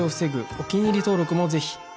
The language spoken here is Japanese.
お気に入り登録もぜひ